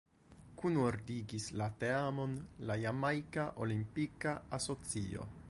Kunordigis la teamon la "Jamajka Olimpika Asocio".